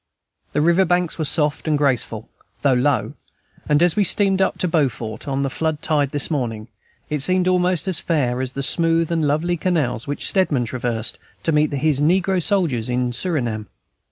The river banks were soft and graceful, though low, and as we steamed up to Beaufort on the flood tide this morning, it seemed almost as fair as the smooth and lovely canals which Stedman traversed to meet his negro soldiers in Surinam.